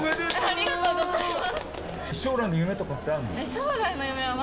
ありがとうございます。